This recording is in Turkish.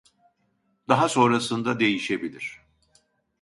Daha sonrasında değişebilir